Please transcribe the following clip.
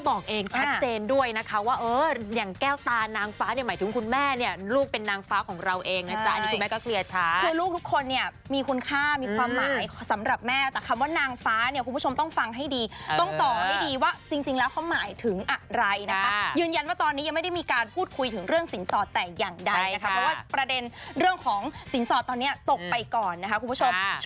ก่อนที่จะตัดสินใจหรือว่าก่อนที่จะตัดสินใจหรือว่าก่อนที่จะตัดสินใจหรือว่าก่อนที่จะตัดสินใจหรือว่าก่อนที่จะตัดสินใจหรือว่าก่อนที่จะตัดสินใจหรือว่าก่อนที่จะตัดสินใจหรือว่าก่อนที่จะตัดสินใจหรือว่าก่อนที่จะตัดสินใจหรือว่าก่อนที่จะตัดสินใจหรือว่าก่อนที่จะตัดสินใจหรือว่าก